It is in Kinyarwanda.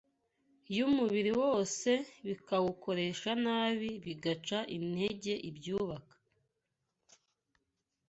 y’umubiri wose, bikawukoresha nabi, bigaca intege ibyubaka